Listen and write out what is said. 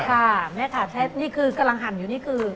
ค่ะแม่ค่ะนี่คือกำลังหั่นอยู่นี่คือ